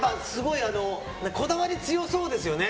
こだわり強そうですよね。